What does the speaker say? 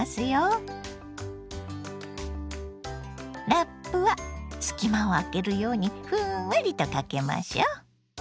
ラップは隙間を空けるようにふんわりとかけましょ。